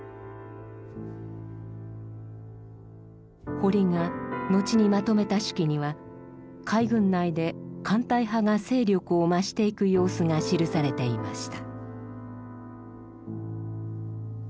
堀が後にまとめた手記には海軍内で艦隊派が勢力を増していく様子が記されていました。